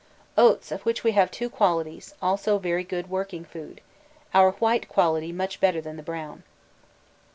Oats, of which we have two qualities, also very good working food our white quality much better than the brown.